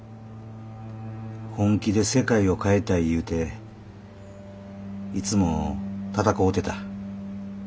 本気で世界を変えたい言うていつも闘うてた。